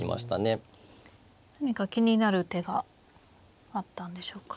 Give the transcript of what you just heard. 何か気になる手があったんでしょうか。